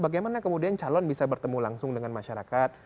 bagaimana kemudian calon bisa bertemu langsung dengan masyarakat